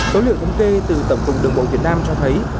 tối liệu thống kê từ tổng cùng đường bộ việt nam cho thấy